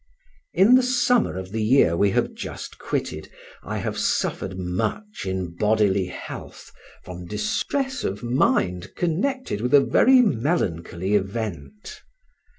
In the summer of the year we have just quitted I have suffered much in bodily health from distress of mind connected with a very melancholy event.